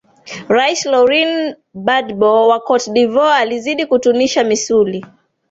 rais lauren badbo wa cote de voire azidi kutunisha misuli